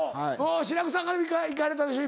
志らくさん行かれたでしょ？